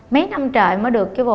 mấy năm trời mới được cái vụ